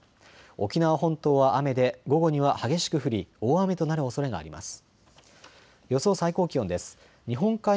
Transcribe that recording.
沖縄本島は雨で午後には激しく降り大雨となるおそれがあります。